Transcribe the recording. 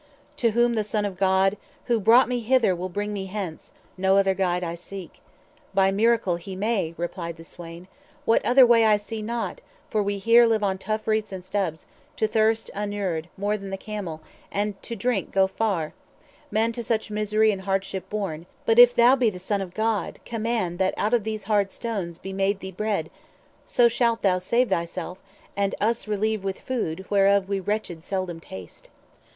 To whom the Son of God:—"Who brought me hither Will bring me hence; no other guide I seek." "By miracle he may," replied the swain; "What other way I see not; for we here Live on tough roots and stubs, to thirst inured More than the camel, and to drink go far— 340 Men to much misery and hardship born. But, if thou be the Son of God, command That out of these hard stones be made thee bread; So shalt thou save thyself, and us relieve With food, whereof we wretched seldom taste."